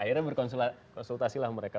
akhirnya berkonsultasilah mereka